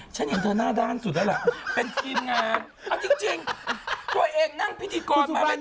ฉันเห็นเธอน่าด้านสุดแล้วล่ะเป็นทีมงาน